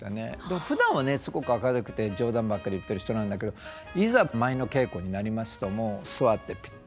でもふだんはねすごく明るくて冗談ばっかり言ってる人なんだけどいざ舞の稽古になりますともう座ってピッ。